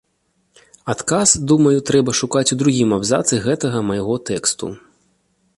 Адказ, думаю, трэба шукаць у другім абзацы гэтага майго тэксту.